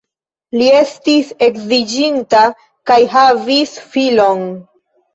Li estis edziĝinta kaj havis filon.